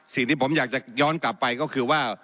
สิ่งที่ผมอยากจะย้อนกลับไปก็คือว่า